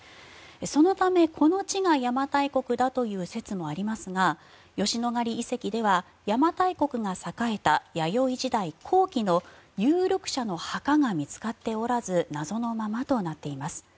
そのため、この地が邪馬台国だという説もありますが吉野ヶ里遺跡では邪馬台国が栄えた弥生時代後期の有力者の墓が見つかっておらず謎のままとなっています。